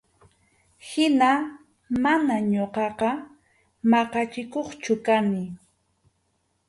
Hina mana ñuqaqa maqachikuqchu kani.